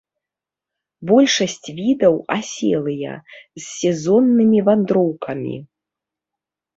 Большасць відаў аселыя, з сезоннымі вандроўкамі.